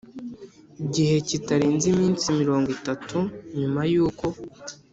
Gihe kitarenze iminsi mirongo itatu nyuma y uko